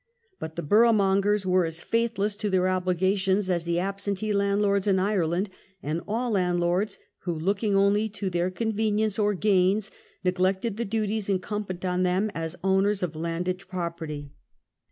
But the boroughmongers were as faithless to their obligations as the absentee landlords in Ireland, and all landlords who, looking only to their convenience or gains, neglected the duties in cumbent on them as owners of landed property.